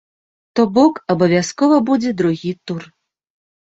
То бок абавязкова будзе другі тур.